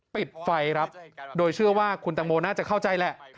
ปิดไฟครับโดยเชื่อว่าคุณตังโมน่าจะเข้าใจแหละ